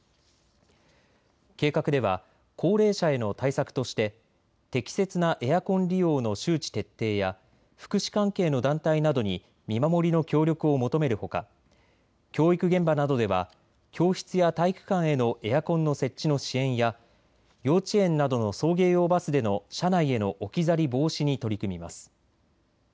計画では高齢者への対策として適切なエアコン利用の周知徹底や福祉関係の団体などに見守りの協力を求めるほか教育現場などでは教室や体育館へのエアコンの設置の支援や幼稚園などの送迎用バスでの車内への置き去り防止に取り組みます。